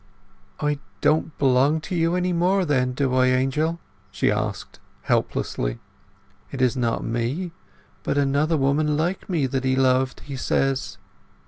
"I don't belong to you any more, then; do I, Angel?" she asked helplessly. "It is not me, but another woman like me that he loved, he says."